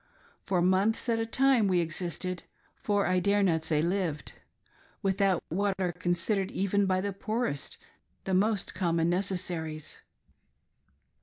For months at a time we existed, — for I dare not say lived,— without what are considered, even by the poorest, the most common necessaries.